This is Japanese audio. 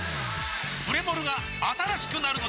プレモルが新しくなるのです！